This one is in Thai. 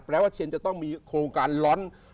แปลว่าเชนจะต้องมีโครงการคืนล้อธรรมดอินหัว